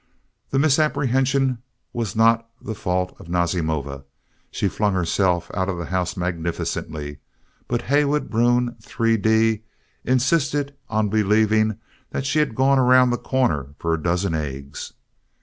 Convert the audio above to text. The misapprehension was not the fault of Nazimova. She flung herself out of the house magnificently, but Heywood Broun, 3d, insisted on believing that she had gone around the corner for a dozen eggs.